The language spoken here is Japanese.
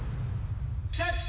セット！